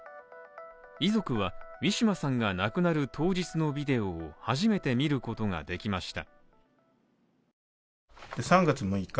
遺族はウィシュマさんが亡くなる当日のビデオを初めて見ることができました。